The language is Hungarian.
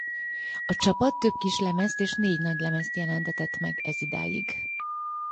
A csapat több kislemezt és négy nagylemezt jelentetett meg ezidáig.